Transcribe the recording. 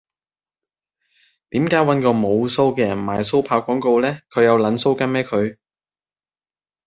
點解搵個無鬚嘅人賣鬚刨廣告呢？佢有撚鬚根咩佢